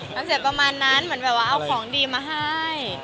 มันเสียประมาณนั้นเหมือนแบบว่าเอาของดีมาให้